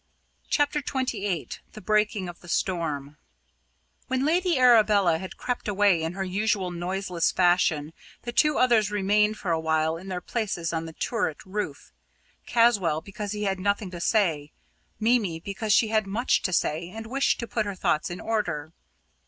CHAPTER XXVIII THE BREAKING OF THE STORM When Lady Arabella had crept away in her usual noiseless fashion, the two others remained for a while in their places on the turret roof: Caswall because he had nothing to say, Mimi because she had much to say and wished to put her thoughts in order.